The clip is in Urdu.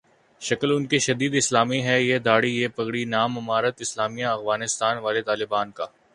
شکل انکی شدید اسلامی ہے ، یہ دھاڑی ، یہ پگڑی ، نام امارت اسلامیہ افغانستان والے طالبان کا ۔